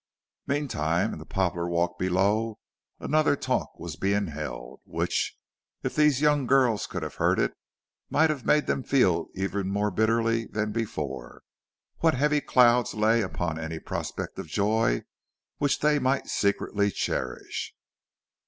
Meantime, in the poplar walk below, another talk was being held, which, if these young girls could have heard it, might have made them feel even more bitterly than before, what heavy clouds lay upon any prospect of joy which they might secretly cherish.